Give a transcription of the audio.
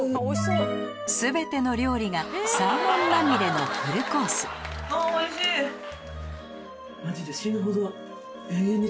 全ての料理がサーモンまみれのフルコースマジで死ぬほど。